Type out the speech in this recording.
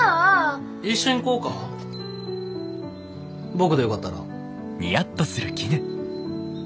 僕でよかったら。